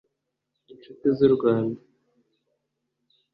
inshuti z’u Rwanda